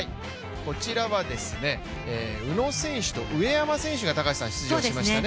こちらは宇野選手と上山選手が出場しましたね。